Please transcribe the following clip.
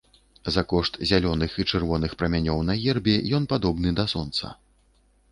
За кошт зялёных і чырвоных прамянёў на гербе ён падобны да сонца.